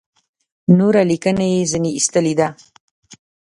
نوره لیکنه یې ځنې ایستلې ده.